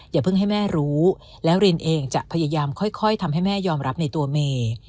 อย่าเพิ่งให้แม่รู้แล้วรินเองจะพยายามค่อยทำให้แม่ยอมรับในตัวเมย์